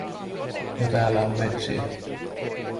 Ja täällä on metsiä.